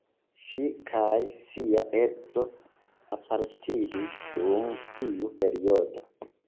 Ŝi kaj sia edzo apartiĝis dum tiu periodo.